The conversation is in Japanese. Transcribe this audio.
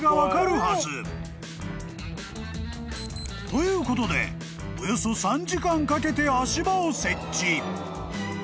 ［ということでおよそ３時間かけて足場を設置］